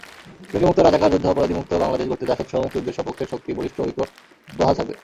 জঙ্গিমুক্ত, রাজাকার-যুদ্ধাপরাধীমুক্ত বাংলাদেশ গড়তে জাসদসহ মুক্তিযুদ্ধের সপক্ষের শক্তি বলিষ্ঠ ঐক্য বহাল থাকবে।